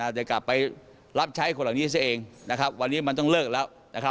จะกลับไปรับใช้คนเหล่านี้ซะเองวันนี้มันต้องเลิกแล้ว